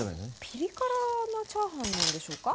ピリ辛なチャーハンなんでしょうか？